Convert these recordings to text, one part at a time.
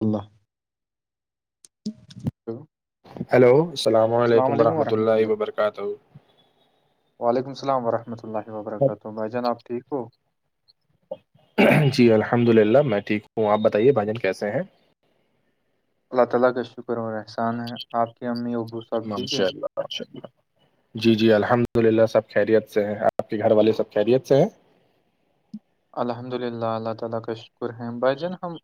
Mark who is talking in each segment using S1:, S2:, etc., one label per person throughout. S1: اللہ
S2: hello السلام علیکم ورحمۃ اللہ وبرکاتہ
S1: وعلیکم السلام ورحمۃ اللہ وبرکاتہ بھائی جان آب ٹھیک ہو
S2: جی الحمد للہ میں ٹھیک ہوں آپ بتائیے بھاجن کیسے ہیں
S1: اللہ تعالی کا شکر و احسان ہے آپ کی امی ابوس
S2: اچھا ریہ جی جی الحمد للہ سب خیریت سے ہیں آپ کے گھر والے سب خیریت سے ہیں
S1: الحمد للہ اللہ تعالی کا شکر ہے بھائی جان ہم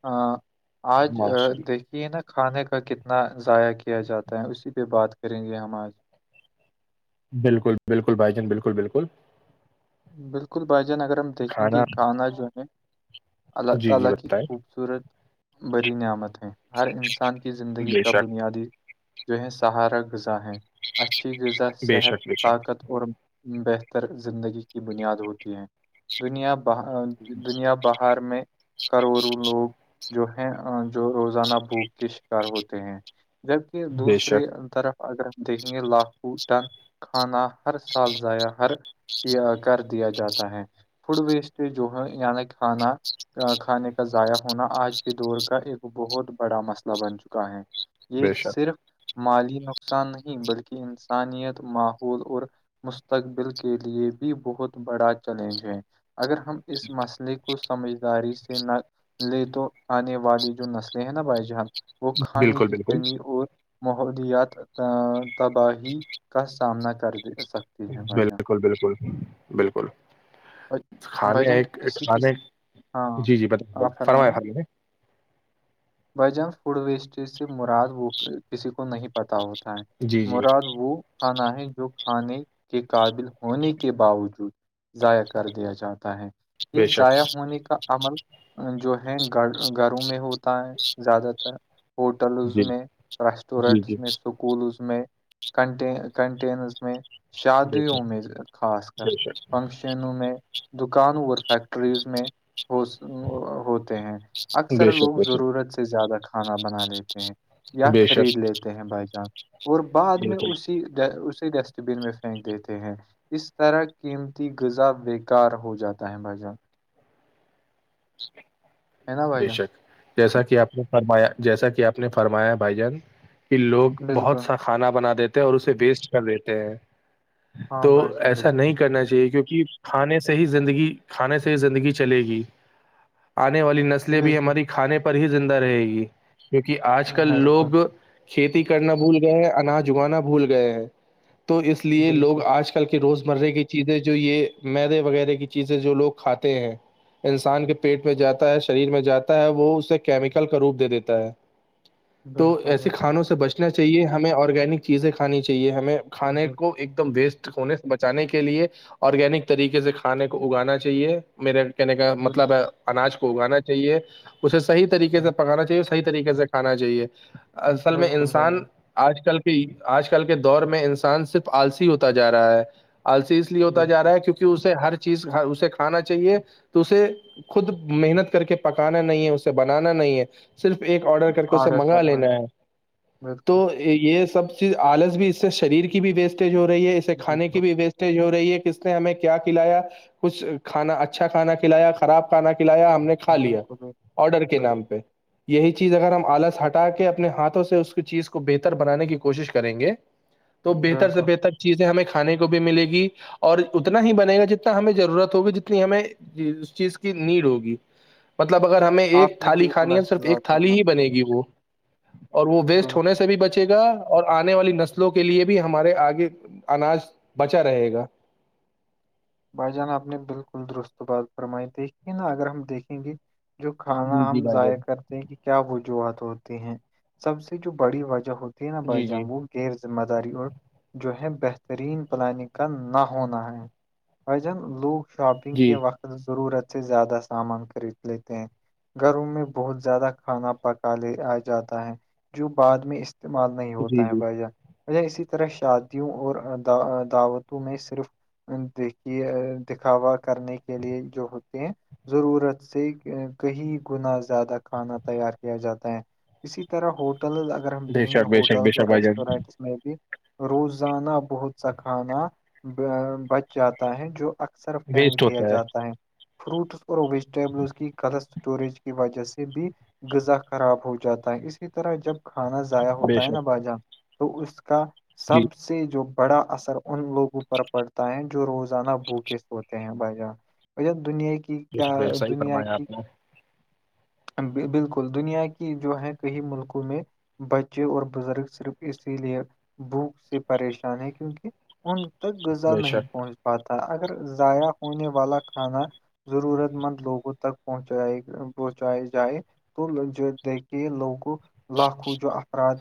S1: آج
S2: ماشاء اللہ
S1: دیک کہ نا کھانے کا کتنا ضائع کیا جاتا ہے اسی پہ بات کریں گے ہم آج
S2: بالکل بالکل بھ جن بالکل بالکل
S1: بالکل بھائی جان اگر ہم دیکھیں گے
S2: کھانا
S1: کانا جو ہے اللہ
S2: جی جی
S1: تعالی کی
S2: بتائیں
S1: خوبصورت بری نعمت ہیں ہر انسان کی زندگی
S2: بے
S1: کا
S2: شک
S1: بنیادی جو ہے سہارا غذا ہیں اچھی غذا
S2: بے
S1: صحت
S2: شک بے شک
S1: طاقت اور بہتر زندگی بنیاد ہوتی ہے دنیا ب دنیا پر بہر میں کروڑوں لوگ جو ہیں جو روزانہ بو کش ہوتے ہیں جبکہ
S2: بے
S1: دوسری
S2: شک
S1: طرف اگر دیکیں گے لاکھوں ٹن کھانا ہر سال ضائع ہر کیا کر دیا جاتا ہے فوڈ ویسٹ جو ہے یعنی کھانا کھانے کا ضائع ہونا آج کے دور کا ایک بہت بڑا مسئلہ بن چکا ہے یہ
S2: بے شک
S1: صرف مالی نقصان نہیں بلکہ انسانیت ماحول اور مستقبل کے لیے بھی بہت بڑا چیلنج ہے اگر ہم اس مسئلے کو [unintelligible] سمجھداری سے نہ لے تو آنے والی جو نسلیں ہیں نا بھائی جان وہ کھانے
S2: بالکل
S1: کی
S2: بالکل
S1: کمی اور ماحولیات تباہی کا سامنا کر دے سک
S2: بالکل بالکل بالکل
S1: بھائی بھائی
S2: کھانے
S1: جان اسی کے
S2: کھانے
S1: س- ہاں
S2: جی جی بت
S1: آپ
S2: فرمایایں خ نے [unintelligible]
S1: بھ جان فوڈ ویسٹی سے مراد وہ کسی کو نہیں پتا ہوتا ہیں
S2: جی جی
S1: مراد وہ کھانا ہے جو کھانے کے قابل ہونے کی کے باوجود ضائع کر دیا جاتا ہے یہ
S2: بے شک
S1: ضائع ہونے کا عمل جو ہیں گ گھروں میں ہوتا ہے زیادہ تر ہوٹلز م
S2: جی
S1: میںں
S2: جی
S1: ریسٹورینٹس
S2: جی
S1: میں س اسکولز میں کن کنٹینرز میں
S2: بے
S1: شادیوں
S2: شک
S1: میں خاص کر
S2: بے شک
S1: فنشن چینوں میں دکانوں اور فیکٹریز میں ہو ہوتے ہیں اکثر
S2: بے
S1: لوگ
S2: شک بے شک
S1: ضرورت سے زیادہ کھانا بنا لیتے ہیں یا
S2: بے شک
S1: خرید لیتے ہیں بائی چانس اور بعد میں
S2: بالکل
S1: اسی اسی ڈسٹ بین میں پھینک دیتے ہیں [unintelligible] اس طرح قیمتی غذا بیکار ہو جاتا ہے بھائی جان
S2: [inaudible]
S1: ہے نا بھائی
S2: بے
S1: جان
S2: شک جیسا کہ آپ نے فرمایا جیسا کہ آپ نے فرمایا بھائی جان کہ لوگ بہت
S1: بالکل
S2: سا کھانا بنا دیتے ہیں اور اسے ویسٹ کر دیتے ہیں
S1: ہاں
S2: تو
S1: بھائی جان
S2: ایسا
S1: بالکل
S2: نہیں کرنا چاہیے کیونکہ کھانے سے ہی زندگی کھانے سے ہی زندگی چلے گی آنے والی نسلیں بھی
S1: بالکل
S2: ہماری کھانے پر ہی زندہ رہے گی کیونکہ آج کل لوگ کھیتی کرنا بھول گئے ہیں اناج اگانا بھول گئے ہیں تو اس لیے
S1: بالکل
S2: لوگ آج کل کل کی روزمرہ کی چیزیں جو یہ میدے وغیرہ کی چیزیں جو لوگ کھاتے ہیں انسان کے پیٹ میں جاتا ہے شریر میں جاتا ہے وہ اسے کیمیکل کا روپ دے دیتا ہے تو
S1: بالکل
S2: ایسے
S1: بالکل
S2: کھانوں سے بچ نا چاہیے ہمیں آرگینک چیزیں کھانی چاہیے ہمیں کھانے
S1: بالکل
S2: کو ایک دم ویسٹ ہونے سے بچانے کے لیے آرگینک طریقے سے کھانے کو اگانا چاہیے میرے کہنے کا
S1: بالکل
S2: مطلب ہے
S1: بالکل
S2: اناج کو اگانا چاہیے اسے صحیح طریقے سے
S1: بالکل
S2: پکانا چاہیے صحیح طریقے سے کھانا چاہیے اصل میں
S1: بالکل بھائی
S2: انسان
S1: جان
S2: آج کل کے آج کل کے دور میں انسان صرف آلسی ہوتا جا رہا ہے آلسی لی ہوتا جا
S1: بالکل
S2: ہے کیونکہ کہ اسے ہر چیز اسے کھانا چاہیے تو اسے خود محنت کر کے پکانا نہیں ہے اسے بنانا نہیں ہے صرف ایک آرڈر کر کے اسے منگا لینا ہے تو
S1: بالکل
S2: یہ سب چیز آلس بھی اس سے شریر کی بھی ویسٹیج ہو رہی ہے اسے کھانے
S1: بالکل
S2: کی بھی وی ہو رہی ہے کس نے ہمیں کیا کھلایا کچھ کھانا اچھا کھانا کھلایا خراب کھانا کھلایا ہم نے کھا لیا
S1: بالکل
S2: آرڈر کے
S1: بالکل
S2: نام پہ یہی چیز اگر ہم آلس ہٹا کے اپنے ہاتھوں سے اس کی چیز کو بہتر بنانے کی کوشش کریں گے
S1: [inaudible]
S2: تو بہتر سے
S1: بالکل
S2: بہتر چیزیں ہمیں کھانے کو بھی ملے گی اور اتنا ہی بنے گا جتنا ہمیں ضرورت ہوگی جتنی ہمیں اس چیز کی نیڈ ہوگی مطلب اگر ہمیں ایک
S1: آپ نے
S2: تھالی
S1: بالکل
S2: کھانی ہے صرف
S1: اچھی
S2: ایک
S1: بات
S2: تھالی
S1: کرنا
S2: ہی بنے گی وہ اور وہ ویسٹ
S1: بالکل
S2: ہونے سے بھی بچے گا اور آنے والی نسلوں کے لیے بھی ہمارے آگے اناج بچا رہے گا
S1: بھائی جان آپ نے بالکل درست بات فرمائی دیکھیے نا اگر ہم دیکھیں گے جو کھانا
S2: جی
S1: ہم
S2: جی بھائی
S1: ضائع
S2: جان
S1: کر کہ کیا وجوہات ہوتی ہیں سب سے جو بڑی وجہ ہوتی ہے نا بائی
S2: جی جی
S1: جنور غیر ذمہ داری اور جو ہے بہترین پلاننگ کا نہ ہونا ہے جن لوگ شاپنگ
S2: جی
S1: کے وقت ضرورت سے زیادہ سامان خرید لیتے ہیں گرم میں بہت زیادہ کھانا پکا لے آ جاتا ہے جو بعد میں استعمال نہیں ہوتا
S2: جی
S1: ہے
S2: جی
S1: بھائی جان بھائی جان اسی طرح شادیوں اور دعوتوں میں صرف دیکھی دکھاوا کرنے کے لیے جو ہوتے ہیں ضرورت سے کہیں گنا زیادہ کھانا تیار کیا جاتا ہے اسی طرح ہوٹل اگر ہم
S2: بے
S1: دیکھیں گے
S2: شک بے شک بے
S1: ہوٹلس
S2: شک
S1: اور
S2: بھائی جان
S1: ریسٹورینٹس میں بھی روزانہ بہت سکھانا بچ جاتا ہے جو اکثر
S2: ویسٹ
S1: پھینک دیا
S2: ہوتا
S1: جاتا ہے فروٹس اور ویجیٹیبلس کی غلط اسٹوریج کی وجہ سے بھی غذا خراب ہو جاتا ہے اسی طح طرح جب کھانا ضائع
S2: بے
S1: ہوتا ہے نا
S2: شک
S1: بجار تو اس کا
S2: جی
S1: سب سے جو بڑا اثر ان لوگوں پر پڑتا جو روزانہ بوکس ہوتے ہیں بھائی جان دنیا کی کی
S2: بے
S1: کیا
S2: شک بے شک صحیح
S1: دنیا
S2: فرمایا
S1: کی
S2: آپ نے
S1: بالکل دنیا کی جو ہے کئی ملکوں میں بچے اور بزرگ صرف اسی لیے بھوک سے پریشان ہے کیونکہ ان تک غذا
S2: بے
S1: نہیں
S2: شک
S1: پہنچتی پاتہ اگر ضائع ہونے والا کھانا ضرورت مند لوگوں تک پہنچائے پہنچاائے جائے تو جو دیک کہے لوگوں لاکھوں جو افراد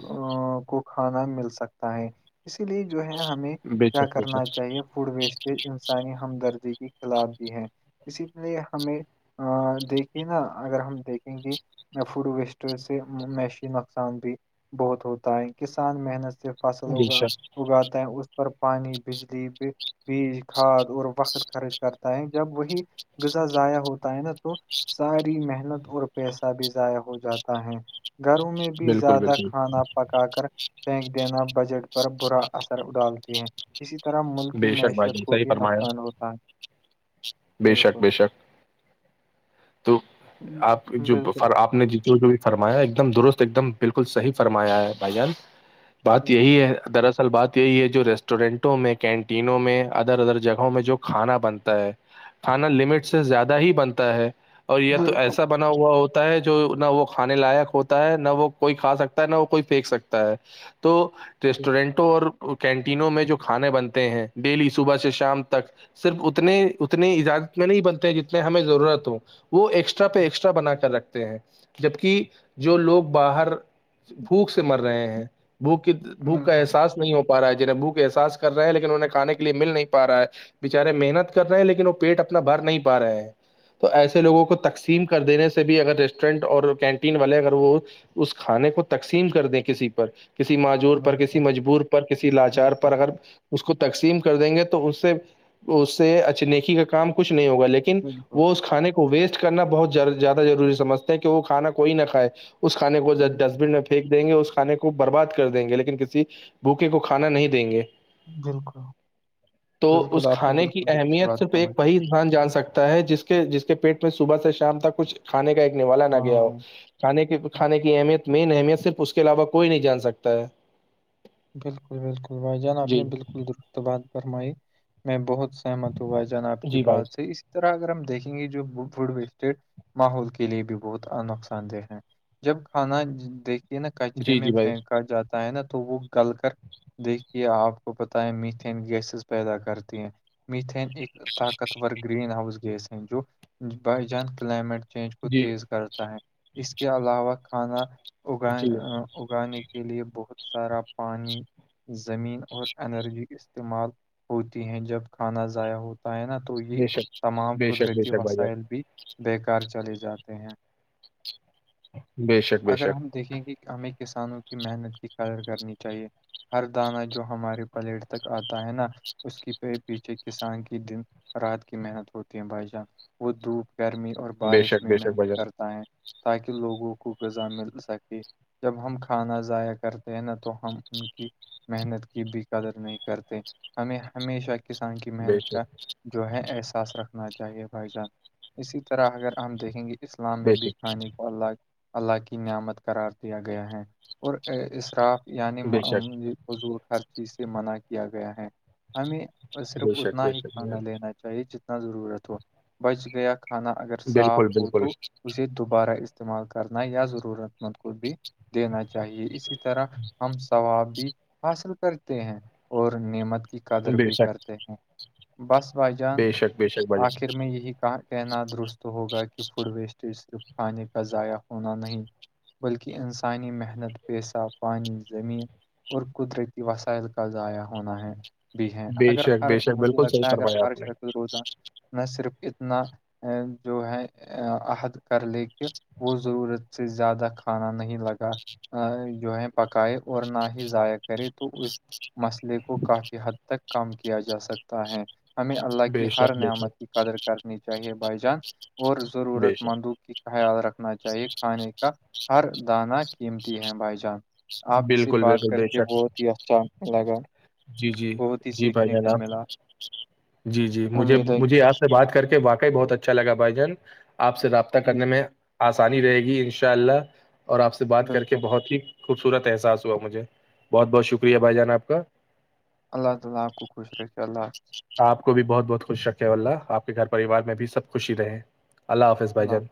S1: کو کھانا مل سکتا ہے اسی لیے جو ہے ہمیں
S2: بے
S1: کیا
S2: شک بے
S1: کرنا
S2: شک
S1: چاہیے فوڈ ویسٹیج انسان ہمدردی کے خلاف بھی ہے اسی لیے ہمیں دیکھیے نا اگر ہم دیکھیں گے میں فوڈ ویسٹر سے میشی نقصان بھی بہت ہوتا ہے کسان محنت سے فصل
S2: بے
S1: اگا
S2: شک
S1: اگاتا ہے اس پر پانی بجلی بھی بیج کھاد اور وقت خرچ کرتا ہے جب وہی غذا ضائع ہوتا ہے نا تو ساری محنت اور پیسہ بھی ضائع ہو جاتا ہے گھروں میں بھی
S2: بالکل
S1: زیادہ
S2: بالکل
S1: کھانا پکا کر پھینک دینا بجٹ پر برا اثر ڈالتے ہیں
S2: بے شک بھ جی صی فرمایا
S1: نقصان ہوتا ہے
S2: بے
S1: بالکل
S2: شک بے شک تو آپ جو
S1: بالکل
S2: فر آپ نے جتو جو فرمایا ایک دم درست ایک دم بالکل صحی فرمایا ہے بھائی جان بات
S1: بالکل
S2: یہی ہے دراصل بات یہی ہے جو ریسٹورینٹوں میں کینٹینوں میں ادر ادر جگہوں میں جو کھانا بنتا ہے کھانا لمٹ سے زیادہ ہی بنتا ہے اور یہ تو
S1: بالکل
S2: ایسا بنا ہوا ہوتا ہے جو نہ وہ کھانے لائق ہوتا ہے نہ وہ کوئی کھا سکتا ہے نہ وہ کوئی پھینک سکتا ہے تو ریسٹورینٹوں اور کینٹینوں میں جو کھانے بنتے ہیں ڈیلی صبح سے شام تک صرف اتنے اتنی اجازت میں نہیں بنتے جتنے ہمیں ضرورت ہو وہ ایکسٹرا پہ ایکسٹرا بنا کر رکھتے ہیں جبک جو لوگ باہر بھوک سے مر رہے ہیں بھوک کی بھوک کا
S1: بالکل
S2: احساس نہیں ہو پا رہا ہے جنہیں بھوک احساس کر لیکن انہیں کھے کے لیے مل نہیں پا رہا ہے بےچارے محنت کر رہے ہیں لیکن وہ پیٹ اپنا بھر نہیں پا رہے ہیں تو ایسے لوگوں کو تقسیم کر دینے سے بھی اگر ریسٹورینٹ اور کینٹین والے اگر وہ اس کھانے کو تقسیم کر دیں کسی پر کسی معذور پر کسی
S1: بالکل
S2: مجبور پر کسی لاچار
S1: بالکل
S2: پر اگر اس کو تقسیم کر دیں گے تو اس سے اس سے اچنیکی کا کام کچھ نہیں ہوگا لیکن
S1: بالکل
S2: وہ اس کھانے کو ویسٹ کرنا بہت زیادہ ضروری سمجھتے ہیں کہ وہ کھانا کوئی نہ کھائے اس کھے کو
S1: بال-
S2: ڈسٹبن میں پھینک دیں گے اس کھانے کو برباد کر دیں گے لیکن کسی بھوکے کو کانا نہیں دیں گے
S1: بالکل
S2: تو
S1: بالکل
S2: اس
S1: آپ نے
S2: کھانے کی
S1: بالکل درست
S2: اہمیت
S1: بات
S2: صرف ایک
S1: فرمائی
S2: وہی انسان جان سکتا ہے جس کے جس کے پیٹ میں صبح سے شام تک کچھ کھے کا ایک ن والالا نہ گیا ہو
S1: ہاں
S2: کھ کے کھانے کی اہمیت مین اہمیت صرف اس کے علاوہ کوئی نہیں جان سکتا ہے
S1: بالکل بالکل بھائی جان آپ
S2: جی
S1: نے بالکل درست بات فرمائی میں بہت سہمت توب جان آب کی
S2: جی بھائی
S1: بات صی اس اس طرح اگر ہم دیکھیں گے جو فوڈ ویسٹیڈ ماحول کے لیے بھی بہت نقصان دہ ہے جب کھانا دیک کے نا کچرے
S2: جی
S1: میں
S2: جی بھائی
S1: پھینکا جاتا ہے نا تو وہ کل کر دیکھیے آپ کو پت ہے میتین گیسز پیدا کرتی ہیں میتھیین ایک طاقت ور گرین ہاؤس گیس ہیں جو بائی جان کلائمیٹ چینج کو
S2: جی
S1: تیز کرتا ہے اس کے علاوہ کھانا اگان
S2: جی
S1: اگانے کے لیے بہت سارا پانی زمین اور انرجی استعمال ہوتی ہیں جب کھانا ضائع ہوتا ہے نا تو یہ
S2: بے شک
S1: تمام
S2: بے شک بے
S1: قدرتی
S2: شک بھائی جان
S1: وسائل بھی بیکار چلے جاتے ہیں
S2: بے شک بے
S1: اگر
S2: شک
S1: ہم دیکھیں گے ہمیں کسانوں کی محنت کی قدر کرنی چاہیے ہر دانہ جو ہمارے پلیٹ تک آتا ہے نا اس کی پیچھے کسان کے دن رات کی محنت ہوتی ہے بھائی جان وہ دھوپ گرمی اور
S2: بے
S1: بارش
S2: شک
S1: میں
S2: بے شک
S1: محنت
S2: بھائی جان
S1: کرتا ہے تاکہ لوگوں کو غذا مل سکے جب ہم کھانا ضائع کرتے ہیں نا تو ہم ان کی محنت کی بھی قدر نہیں کرتے ہمیں ہمیشہ کی کسان کی
S2: بے
S1: محنت کا
S2: شک
S1: جو ہے احساس رکھنا چاہیے بھائی جان اسی طرح اگر ہم دیکھیں گے اسلام میں
S2: بے
S1: بھی
S2: شک
S1: کھانے کو اللہ اللہ کی نعمت قرار دیا گیا ہے اور اراف یعنی
S2: بے شک
S1: حضول ہر چیز سے منع کیا گیا ہے ہمیں صرف
S2: بے شک
S1: اتنا
S2: بے
S1: ہی
S2: شک بھائی
S1: کھانا
S2: جان،
S1: لینا چاہیے جتنا ضرورت ہو بچ گیا کھانا اگر صاف
S2: بالکل
S1: ہو
S2: بالکل
S1: تو اسے دوبارہ استعمال کرنا یا ضرورت مند کو بھی دینا چاہیے اسی طرح ہم ثواب بھی حاصل کرتے ہیں اور نعمت کی قدر
S2: بے
S1: بھی
S2: شک
S1: کرتے ہیں بس بھائی جان
S2: بے شک بے شک بھائی
S1: آخر
S2: جان
S1: میں یہی کہنا درست ہوگا کہ فوڈ ویسٹ تو صرف کھانے کا ضائع ہونا نہیں بلکہ انسانی محنت پیسہ پانی زمین اور قدرتی وسائل کا ضائع ہونا ہے بھی ہیں
S2: بے
S1: اگر
S2: شک
S1: ہر
S2: بے شک
S1: مجھے
S2: بالکل صحیح
S1: لگتا ہے اگر
S2: فرمایا
S1: ہر
S2: آپ نے
S1: شخ روزہ میں صرف اتنا جو ہے عہد کر لے کے وہ ضرورت سے زیادہ کھانا نہیں لگا جو ہے پکائے اور نہ ہی ضائع کرے تو اس مسئلے کو کافی حد تک کم کیا جا سکتا ہے ہمیں اللہ کی
S2: بے
S1: ہر
S2: شک بے
S1: نعمت
S2: شک
S1: کی قدر کرنی چاہیے بھائی جان اور
S2: بے
S1: ضرورت
S2: شک
S1: مندوں کی خیال رکھنا چاہیے کھانے کا ہر دانہ قیمتی ہے بھائی جان آپ سے
S2: بالکل
S1: بات
S2: بالکل
S1: کر
S2: بے
S1: کے
S2: شک
S1: بہت ہی اچھا لگا
S2: جی جی
S1: بہت ہی
S2: جی بھائی
S1: سیکھنے
S2: جان
S1: کو
S2: آپ
S1: ملا
S2: جی جی مجھے
S1: امید ہے
S2: مجھے آپ سے بات کر کے واقعی بہت اچھا لگا بھائی جن آپ سے رابطہ کرنے
S1: بالکل
S2: میں آسانی رہے گی ان شاء اللہ اور آپ سے بات کر کے
S1: بالکل
S2: بہت ہی خوبصورت احسا ہوا مجھے بہت بہت شکریہ بھائی جان آپ کا
S1: اللہ تعالی اپ کو خوش رکھے اللہ
S2: آپ کو بھی بہت بہت خوش رکھے اللہ آپ کے گھر پریوار میں بھی سب خوشی رہے اللہ حافظ بھائی جان